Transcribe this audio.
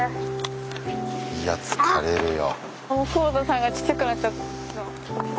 いや疲れるよ。